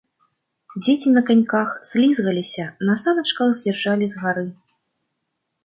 Дзеці на каньках слізгаліся, на саначках з'язджалі з гары.